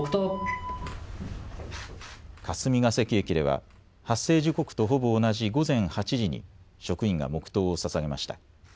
霞ケ関駅では発生時刻とほぼ同じ午前８時に職員が黙とうをささげました。